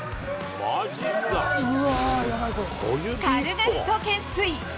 軽々と懸垂。